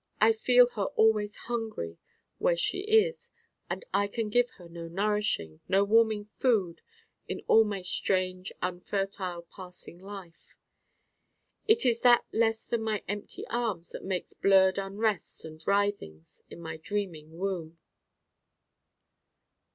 I feel her always hungry where she is and I can give her no nourishing no warming food in all my strange unfertile passing life! It is that less than my empty arms that makes blurred unrests and writhings in my Dreaming Womb.